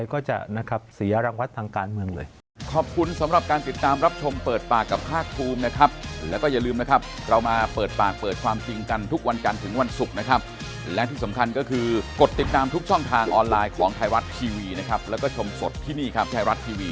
ก้าวกลายก็จะเสียรังวัฒน์ทางการเมืองเลย